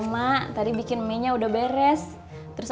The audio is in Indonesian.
mak tadi bikin minyak udah beres terus